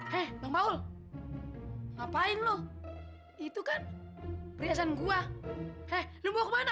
hai bang paul ngapain lu itu kan pria dan gua kembali kemana